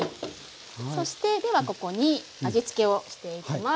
そしてではここに味付けをしていきます。